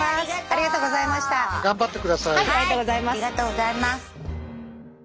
ありがとうございます。